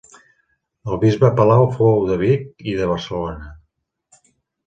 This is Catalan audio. El bisbe Palau fou de Vic i de Barcelona.